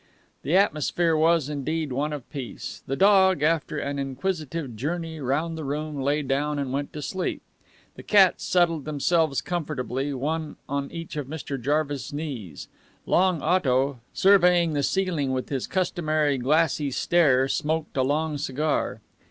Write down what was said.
The atmosphere was, indeed, one of peace. The dog, after an inquisitive journey round the room, lay down and went to sleep. The cats settled themselves comfortably, one on each of Mr. Jarvis' knees. Long Otto, surveying the ceiling with his customary glassy stare, smoked a long cigar.